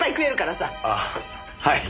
ああはい。